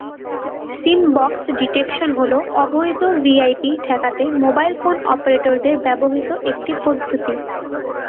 সিম box detection হলো অবৈধ VoIP ঠেকাতে মোবাইল ফোন অপারেটরদের ব্যবহৃত একটি পদ্ধতি।